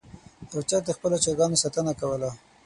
یو چرګ د خپلو چرګانو ساتنه کوله.